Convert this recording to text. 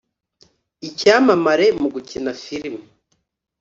Icyamamare mu gukina filime